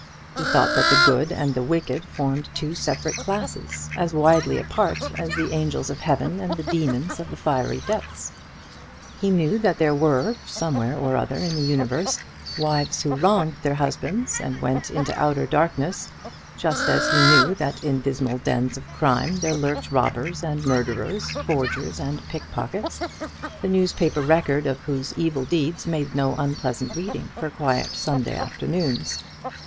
He thought that the good and the wicked formed two separate classes as widely apart as the angels of heaven and the demons of the fiery depths. He knew that there were, somewhere or other in the universe, wives who wronged their husbands and went into outer darkness, just as he knew that in dismal dens of crime there lurked robbers and murderers, forgers and pickpockets, the newspaper record of whose evil deeds made no unpleasant reading for quiet Sunday afternoons.